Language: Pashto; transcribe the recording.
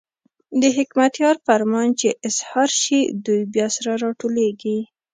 د حکمتیار فرمان چې اظهار شي، دوی بیا سره راټولېږي.